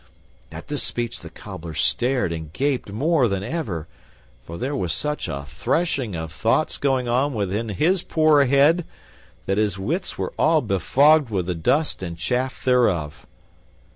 At this speech the Cobbler stared and gaped more than ever, for there was such a threshing of thoughts going on within his poor head that his wits were all befogged with the dust and chaff thereof.